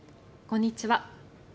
こんにちは。